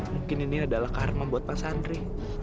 mungkin ini adalah karna buat mas andre